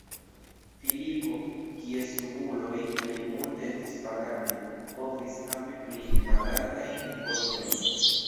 Filipo, kies subuloj plejmulte estis paganoj, povis havi pli malaltajn impostojn.